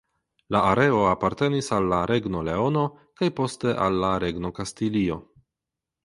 La areo apartenis al la Regno Leono kaj poste al la Regno Kastilio.